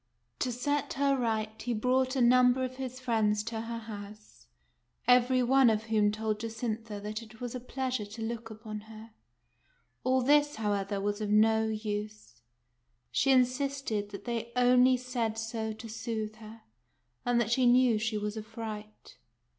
To set her right, he brought a number of his friends to her house, every one of whom told Jacintha that it was a pleas ure to look upon her. All this, however,, was of no use. She insisted that they only said so to soothe her, and that she knew she was a fright.